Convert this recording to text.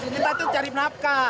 kita tuh cari penapkah